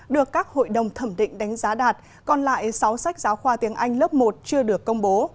được các hội đồng thẩm định đánh giá đạt còn lại sáu sách giáo khoa tiếng anh lớp một chưa được công bố